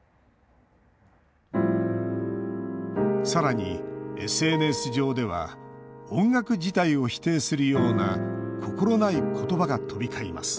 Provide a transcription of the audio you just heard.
さらにＳＮＳ上では音楽自体を否定するような心ない言葉が飛び交います。